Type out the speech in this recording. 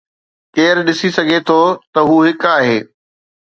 ڪير ڏسي سگهي ٿو ته هو هڪ آهي؟